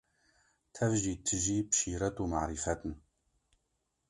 tev jî tijî bi şîret û marîfet in.